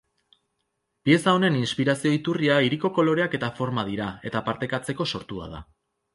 Pieza honen inspirazio iturria hiriko koloreak eta forma dira eta partekatzeko sortua da.